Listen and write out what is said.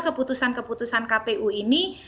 keputusan keputusan kpu ini